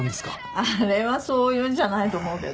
あれはそういうのじゃないと思うけど。